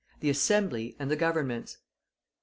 THE ASSEMBLY AND THE GOVERNMENTS.